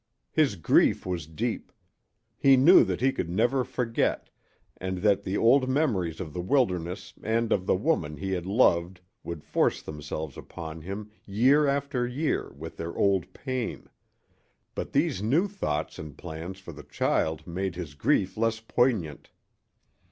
His grief was deep. He knew that he could never forget, and that the old memories of the wilderness and of the woman he had loved would force themselves upon him, year after year, with their old pain. But these new thoughts and plans for the child made his grief less poignant.